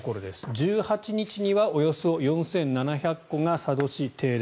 １８日にはおよそ４７００戸が佐渡市、停電。